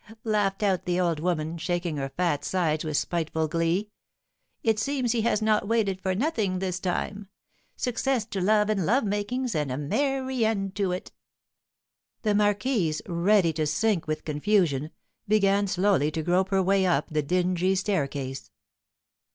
laughed out the old woman, shaking her fat sides with spiteful glee, "it seems he has not waited for nothing this time. Success to love and love makings, and a merry end to it!" The marquise, ready to sink with confusion, began slowly to grope her way up the dingy staircase.